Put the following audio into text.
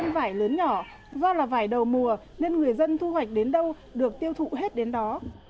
trong đó vải thiều chính vụ sẽ được thu hoạch đến đâu được tiêu thụ hết đến đó